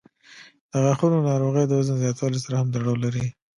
د غاښونو ناروغۍ د وزن زیاتوالي سره هم تړاو لري.